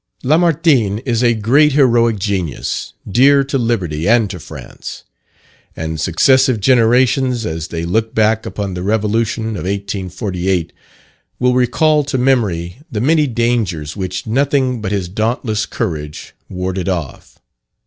Lamartine is a great heroic genius, dear to liberty and to France; and successive generations, as they look back upon the revolution of 1848, will recall to memory the many dangers which nothing but his dauntless courage warded off.